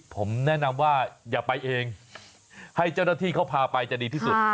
ผมแนะนำว่าอย่าไปเองให้เจ้าหน้าที่เขาพาไปจะดีที่สุด